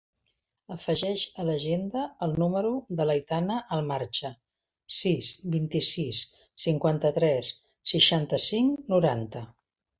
Afegeix a l'agenda el número de l'Aitana Almarcha: sis, vint-i-sis, cinquanta-tres, seixanta-cinc, noranta.